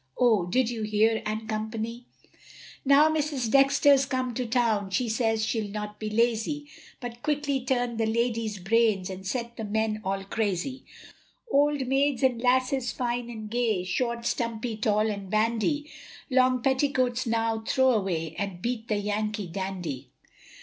Oh, did you hear, &c. Now Mrs. Dexter's come to town, She says, she'll not be lazy, But quickly turn the ladies' brains, And set the men all crazy. Old maids and lasses fine and gay, Short, stumpy, tall and bandy, Long petticoats now throw away, And beat the yanky dandy.